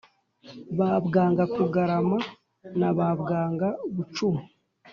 ba bwanga kugarama na bwanga bucumu,